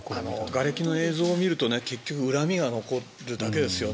がれきの映像なんかを見ると恨みが残るだけですよね。